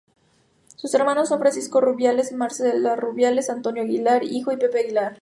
Sus hermanos son Francisco Rubiales, Marcela Rubiales, Antonio Aguilar, hijo y Pepe Aguilar.